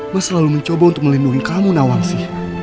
mas selalu mencoba untuk melindungi kamu nawangsi